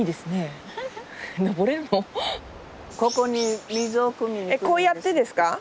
こうやってですか？